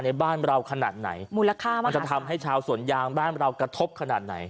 ในบ้านเราขนาดไหนมูลค่ามากมันจะทำให้ชาวสวนยางบ้านเรากระทบขนาดไหน